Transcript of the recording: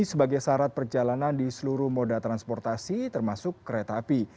sebagai syarat perjalanan di seluruh moda transportasi termasuk kereta api